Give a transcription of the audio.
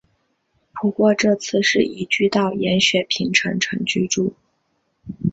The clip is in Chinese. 不过这次是移居到了延雪平城城居住。